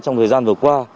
trong thời gian vừa qua